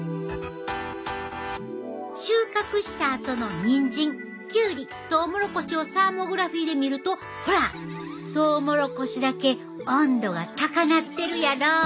収穫したあとのニンジンキュウリトウモロコシをサーモグラフィーで見るとほらトウモロコシだけ温度が高なってるやろ？